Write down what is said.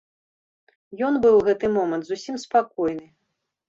Ён быў у гэты момант зусім спакойны.